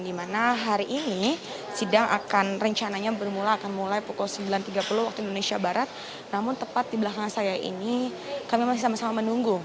di mana hari ini sidang akan rencananya bermula akan mulai pukul sembilan tiga puluh waktu indonesia barat namun tepat di belakang saya ini kami masih sama sama menunggu